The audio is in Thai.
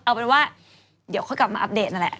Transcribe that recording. เอาเป็นว่าเดี๋ยวค่อยกลับมาอัปเดตนั่นแหละ